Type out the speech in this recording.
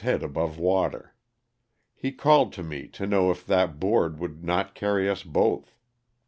head above water. He called to me to know if that board would not carry us both.